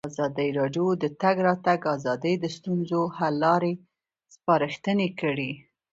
ازادي راډیو د د تګ راتګ ازادي د ستونزو حل لارې سپارښتنې کړي.